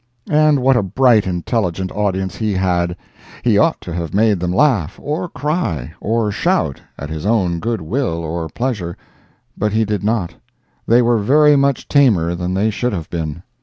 And what a bright, intelligent audience he had! He ought to have made them laugh, or cry, or shout, at his own good will or pleasure—but he did not. They were very much tamer than they should have been.